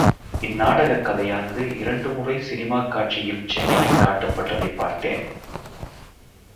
இந் நாடகக் கதையானது இரண்டு முறை சினிமாக் காட்சியில் சென்னையில் காட்டப்பட்டதைப் பார்த்தேன்.